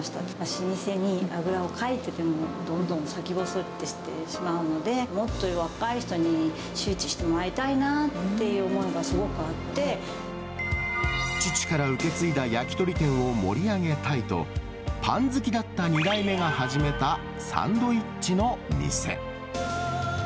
老舗にあぐらをかいてても、どんどん先細ってしまうので、もっと若い人に周知してもらいたいなっていう思いが、父から受け継いだ焼き鳥店を盛り上げたいと、パン好きだった２代目が始めたサンドイッチの店。